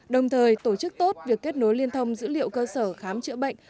đồng thời tổ chức tốt việc kết nối liên thông dữ liệu cơ sở khám chữa bệnh